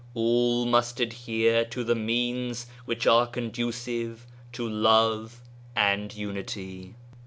"All must adhere to the means which are conducive to love and unity."